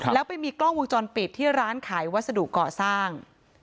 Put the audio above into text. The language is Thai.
แล้วไปมีกล้องวงจรปิดที่ร้านขายวัสดุก่อสร้าง